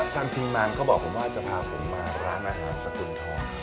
ท่านพิมมานก็บอกว่าจะพาผมมาร้านอาหารสกุลท้อง